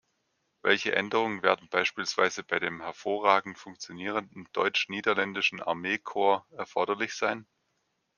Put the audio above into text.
Welche Änderungen werden beispielsweise bei dem hervorragend funktionierenden deutsch-niederländischen Armee-Korps erforderlich sein?